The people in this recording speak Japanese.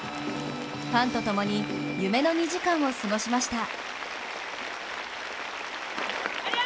ファンと共に夢の２時間を過ごしました。